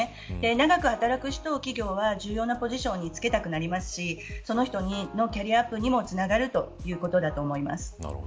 長く働く人を企業は重要なポジションにつけたくなりますしその人のキャリアアップにもつながるということだと思います。